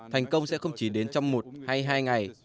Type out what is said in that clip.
thành công sẽ không chỉ đến trong một hay hai ngày